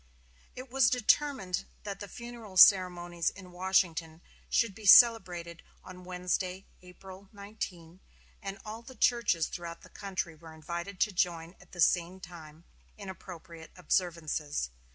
It was determined that the funeral ceremonies in Washington should be celebrated on Wednesday, April 19, and all the churches throughout the country were invited to join at the same time in appropriate observances.